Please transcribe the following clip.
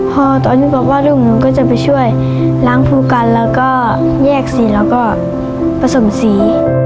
พอตอนนี้บอกว่าลูกหนูก็จะไปช่วยล้างภูกันแล้วก็แยกสีแล้วก็ผสมสี